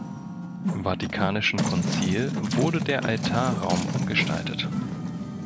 Vatikanischen Konzil wurde der Altarraum umgestaltet.